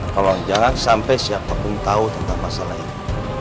tolong jangan sampai siapapun tau tentang masalah ini